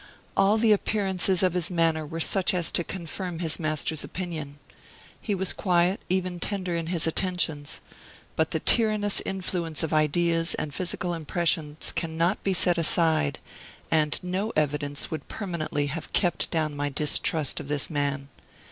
All the appearances of his manner were such as to confirm his master's opinion. He was quiet, even tender in his attentions. But the tyrannous influence of ideas and physical impressions cannot be set aside; and no evidence would permanently have kept down my distrust of this man.